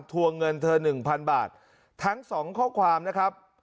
วงเงินเธอหนึ่งพันบาททั้งสองข้อความนะครับ